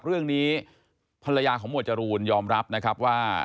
เรื่องนี้ภรรยาของหมวดจรูนยอมรับนะครับว่า